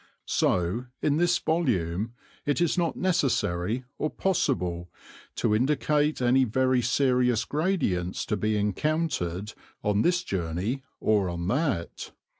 So, in this volume, it is not necessary or possible to indicate any very serious gradients to be encountered on this journey or on that.